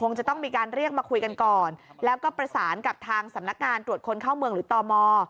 จะต้องมีการเรียกมาคุยกันก่อนแล้วก็ประสานกับทางสำนักงานตรวจคนเข้าเมืองหรือตม